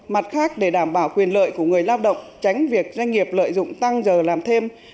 mặt khác để đảm bảo quyền lợi của người lao động tránh việc doanh nghiệp lợi dụng tăng giờ làm thêm